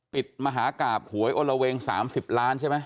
มหากราบหวยอลละเวง๓๐ล้านใช่ไหม